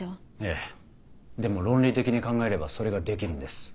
ええでも論理的に考えればそれができるんです。